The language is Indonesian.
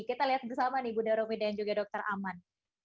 kita lihat bersama nih bu daromi dan juga dr aman